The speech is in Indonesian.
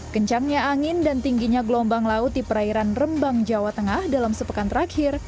kencangnya angin dan tingginya gelombang laut di perairan rembang jawa tengah dalam sepekan terakhir